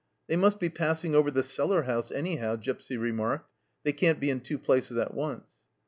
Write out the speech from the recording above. " They must be passing over the cellar house, anyhow," Gipsy remarked ;" they can't be in two places at once."